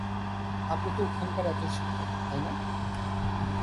আপনি তো এখানকার একজন শিক্ষক, তাই না?